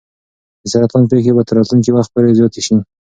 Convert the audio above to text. د سرطان پېښې به تر راتلونکي وخت پورې زیاتې شي.